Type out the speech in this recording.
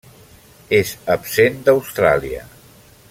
És absent d'Austràlia.